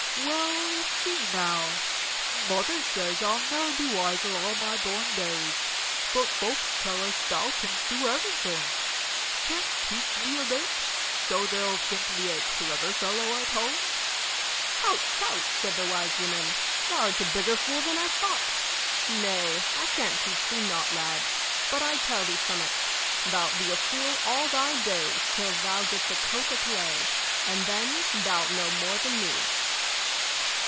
"Well, see now. Mother says I'll ne'er be wiser all my born days; but folks tell us thou canst do everything. Can't thee teach me a bit, so they'll think me a clever fellow at home?" "Hout tout!" said the wise woman; "thou 'rt a bigger fool than I thought. Nay, I can't teach thee nought, lad; but I tell thee summat. Thou 'lt be a fool all thy days till thou gets a coat o' clay; and then thou 'lt know more than me."